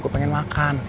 gue pengen makan